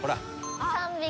３匹。